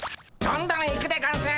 どんどん行くでゴンス！